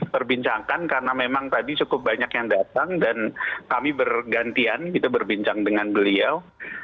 perbincangkan karena memang tadi cukup banyak yang datang dan kami bergantian gitu berbincang dengan beliau